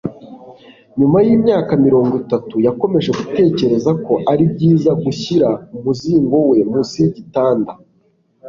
Nyuma yimyaka mirongo itatu, yakomeje gutekereza ko ari byiza gushyira umuzingo we munsi y’igitanda.